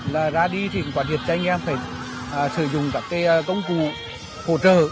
là ra đi thì quán triển cho anh em phải sử dụng các cái công cụ hỗ trợ